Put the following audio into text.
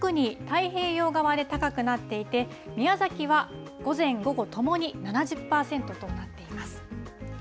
特に太平洋側で高くなっていて、宮崎は午前、午後ともに７０％となっています。